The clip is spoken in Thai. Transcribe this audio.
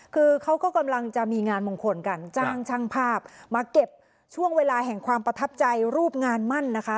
คือเขาก็กำลังจะมีงานมงคลกันจ้างช่างภาพมาเก็บช่วงเวลาแห่งความประทับใจรูปงานมั่นนะคะ